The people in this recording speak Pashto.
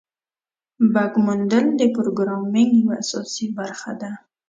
بګ موندل د پروګرامینګ یوه اساسي برخه ده.